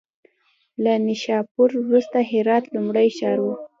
له نیشاپور وروسته هرات لومړی ښار و.